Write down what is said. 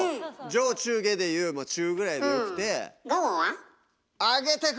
上中下で言うもう中ぐらいでよくて。